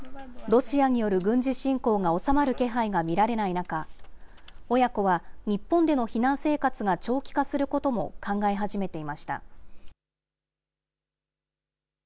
ロシアによる軍事侵攻が収まる気配が見られない中、親子は日本での避難生活が長期化することも考え始めていました。